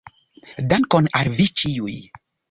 Dankon al vi ĉiuj!